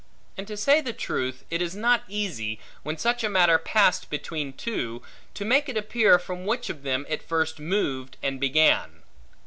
And to say truth, it is not easy, when such a matter passed between two, to make it appear from which of them it first moved and began.